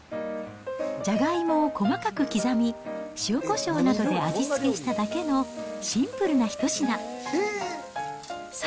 じゃがいもを細かく刻み、塩こしょうなどで味付けしただけのシンプルな一品。